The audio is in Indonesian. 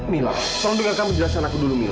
mila tolong dengarkan penjelasan aku dulu mila